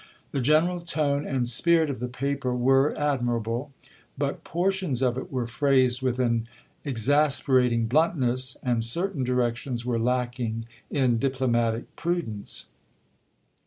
The general tone and spirit of the paper were ad mirable; but portions of it were phrased with an exasperating bluntness, and certain directions were lacking in diplomatic prudence.